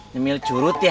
ngemil curut ya